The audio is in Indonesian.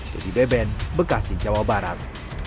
dedy beben bekasi jawa barat